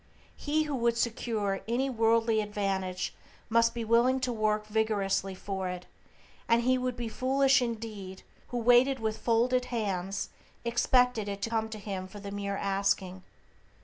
He who would secure any worldly advantage must be willing to work vigorously for it, and he would be foolish indeed who, waiting with folded hands, expected it to come to him for the mere asking.